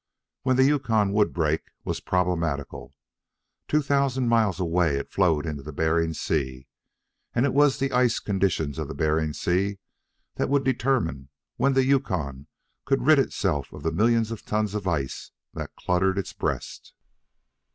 When the Yukon would break was problematical. Two thousand miles away it flowed into Bering Sea, and it was the ice conditions of Bering Sea that would determine when the Yukon could rid itself of the millions of tons of ice that cluttered its breast.